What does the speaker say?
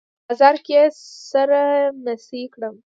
په بازار کې يې سره نيڅۍ کړم